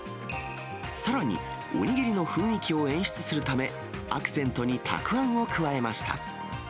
さらに、お握りの雰囲気を演出するため、アクセントにたくあんを加えました。